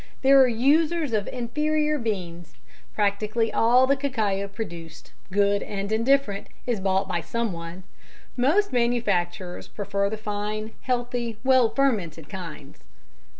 There are users of inferior beans. Practically all the cacao produced good and indifferent is bought by someone. Most manufacturers prefer the fine, healthy, well fermented kinds.